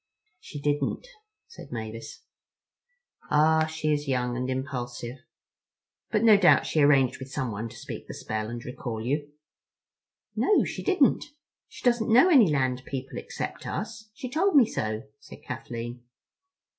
"She didn't," said Mavis. "Ah, she is young and impulsive. But no doubt she arranged with someone to speak the spell and recall you?" "No, she didn't. She doesn't know any land people except us. She told me so," said Kathleen.